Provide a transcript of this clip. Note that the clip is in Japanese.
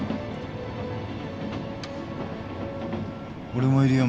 俺もいるよ。